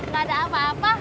gak ada apa apa